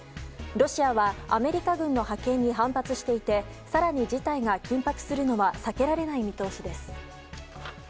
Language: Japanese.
ロシアはアメリカ軍の派遣に反対していて更に事態が緊迫するのは避けられない見通しです。